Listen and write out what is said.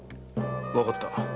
わかった。